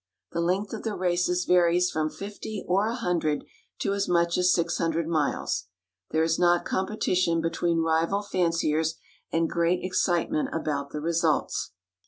The length of the races varies from 50 or 100 to as much as 600 miles. There is not competition between rival fanciers and great excitement about the results.